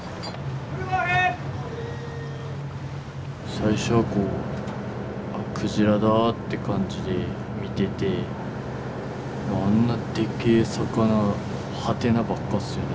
最初はこう鯨だって感じで見ててあんなでっけ魚はてなばっかっすよね